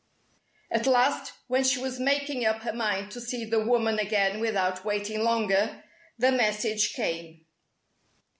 At last, when she was making up her mind to see the woman again without waiting longer, the message came.